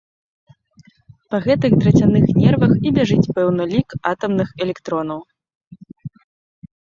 Па гэтых драцяных нервах і бяжыць пэўны лік атамных электронаў.